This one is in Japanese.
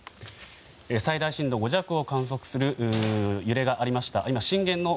最大震度５弱を観測する揺れがありました。